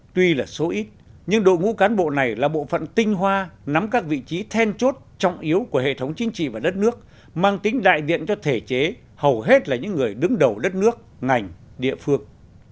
tuy là số ít nhưng đội ngũ cán bộ này là bộ phận tinh hoa nắm các vị trí then chốt trọng yếu của hệ thống chính trị và đất nước mang tính đại diện cho thể chế hầu hết là những người đứng đầu đất nước ngành địa phương